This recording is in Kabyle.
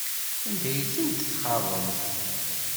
Anda ay tent-txaḍemt?